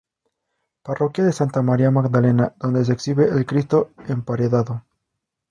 Parroquia de Santa María Magdalena, donde se exhibe al "Cristo emparedado".